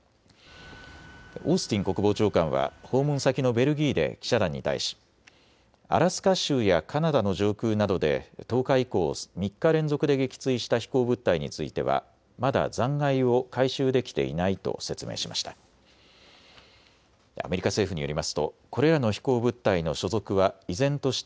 オースティン国防長官は訪問先のベルギーで記者団に対しアラスカ州やカナダの上空などで１０日以降、３日連続で撃墜した飛行物体については、まだ残骸を回収できていないと説明しました。